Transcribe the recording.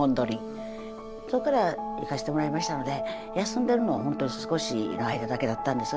そこからいかしてもらいましたので休んでるのは本当に少しの間だけだったんです。